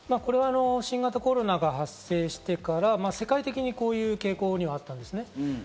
新型コロナが発生してから、世界的にこういう傾向にはあったんですね。